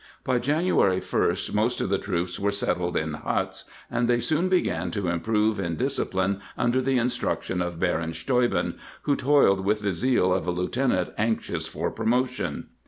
By January 1st most of the troops were settled in huts, and they soon began to improve in discipline under the in struction of Baron Steuben, who toiled with the zeal of " a lieutenant anxious for promotion."